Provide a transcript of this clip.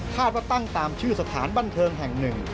ว่าตั้งตามชื่อสถานบันเทิงแห่งหนึ่ง